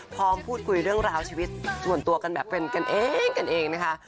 พลพูดคุยเรื่องราวชีวิตส่วนตัวกันแบบเป็นแกนเองนะคะ